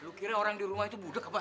lo kira orang di rumah itu budeg apa ha